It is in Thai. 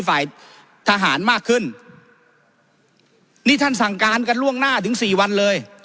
ฝ่ายทหารมากขึ้นนี่ท่านสั่งการกันล่วงหน้าถึงสี่วันเลย